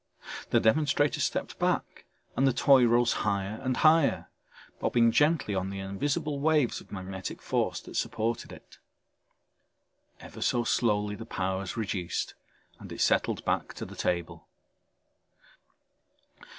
The demonstrator stepped back and the toy rose higher and higher, bobbing gently on the invisible waves of magnetic force that supported it. Ever so slowly the power was reduced and it settled back to the table.